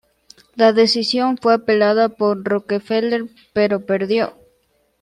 La decisión fue apelada por Rockefeller, pero perdió.